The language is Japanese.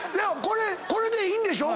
これでいいんでしょ